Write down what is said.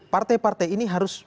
partai partai ini harus